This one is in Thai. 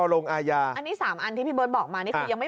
ลงอาญาอันนี้๓อันที่พี่เบิร์ตบอกมานี่คือยังไม่